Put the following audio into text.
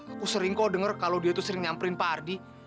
aku sering kok denger kalau dia tuh sering nyamperin pak ardi